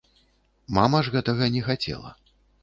Мама ж гэтага не хацела.